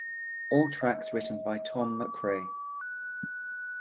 All tracks written by Tom McRae.